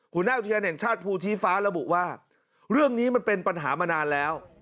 หัวหน้าอุทยานแห่งชาติภูชีฟ้าระบุว่าเรื่องนี้มันเป็นปัญหามานานแล้ว